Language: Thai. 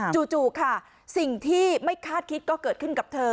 จู่ค่ะสิ่งที่ไม่คาดคิดก็เกิดขึ้นกับเธอ